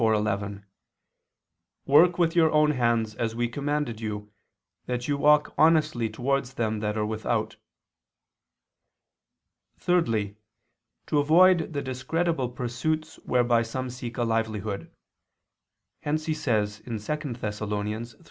4:11): "Work with your own hands, as we commanded you, and that you walk honestly towards them that are without." Thirdly, to avoid the discreditable pursuits whereby some seek a livelihood. Hence he says (2 Thess.